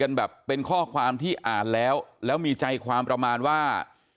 แบบเป็นข้อความที่อ่านแล้วแล้วมีใจความประมาณว่า